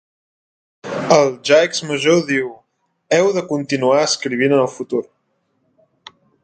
El ja ex-major diu: Heu de continuar escrivint el futur.